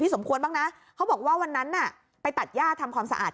สมควรบ้างนะเขาบอกว่าวันนั้นน่ะไปตัดย่าทำความสะอาด